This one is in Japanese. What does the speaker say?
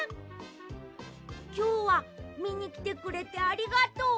きょうはみにきてくれてありがとう！